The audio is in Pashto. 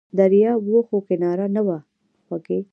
دریاب و خو کناره نه وه خوږې!